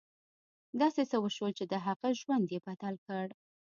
داسې څه وشول چې د هغه ژوند یې بدل کړ